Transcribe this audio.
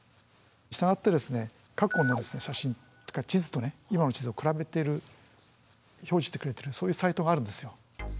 従って過去の写真とか地図とね今の地図と比べてるで表示してくれてるそういうサイトがあるんですよ。